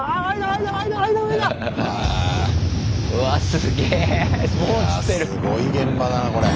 すごい現場だなこれ。